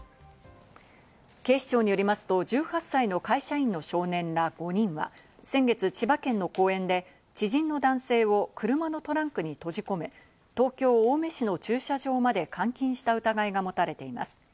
警視庁によりますと１８歳の会社員の少年ら５人は、先月、千葉県の公園で知人の男性を車のトランクに閉じ込め、東京・青梅市の駐車場まで監禁した疑いが持たれています。